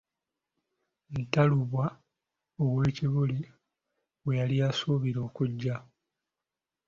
Ntalumbwa ow'e Kibuli, gwe yali asuubira okujja.